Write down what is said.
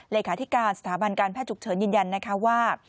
เลขาธิการสถาบันการแพทย์ฉุกเฉินยืนยันนะคะว่า